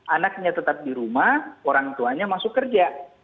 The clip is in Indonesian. anaknya tetap di rumah orang tuanya masuk kerja